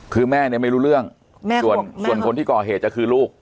คือแม่เนี่ยไม่รู้เรื่องส่วนคนที่ก่อเหตุจะคือลูก